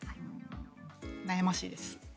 悩ましいです。